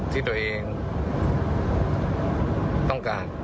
ที่ตัวเองต้องการ